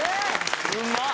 うまっ！